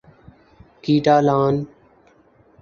Catalan